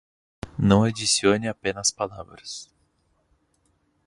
Não adicione apenas palavras